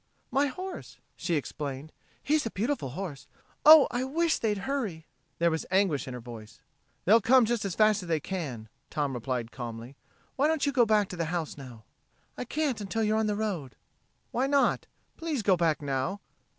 "My horse," she explained. "He's a beautiful horse.... Oh, I wish they'd hurry." There was anguish in her voice. "They'll come just as fast as they can," replied Tom calmly. "Why don't you go back to the house now!" "I can't until you're on the road." "Why not? Please go back now."